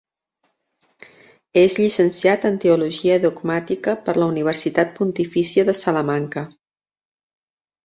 És llicenciat en Teologia Dogmàtica per la Universitat Pontifícia de Salamanca.